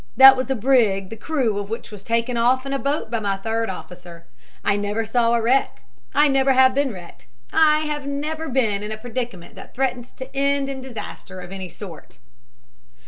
That was a brig the crew of which was taken off in a boat by my third officer. I never saw a wreck. I never have been wrecked. I have never been in a predicament that threatened to end in disaster of any sort."